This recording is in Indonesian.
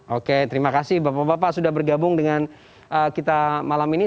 oke terima kasih bapak bapak sudah bergabung dengan kita malam ini